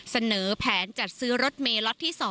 เสนอแผนจัดซื้อรถเมล็อตที่๒